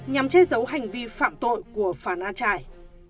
nhằm che giấu hành vi phạm tội của phà na trải